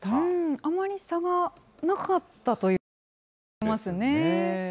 あまり差がなかったという結果とも言えますね。